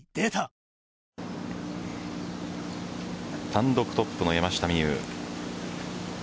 単独トップの山下美夢有。